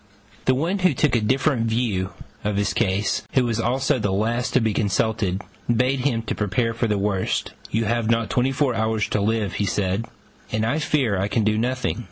The one who took a different view of his case, who was also the last to be consulted, bade him prepare for the worst: "You have not twenty four hours to live," said he, "and I fear I can do nothing."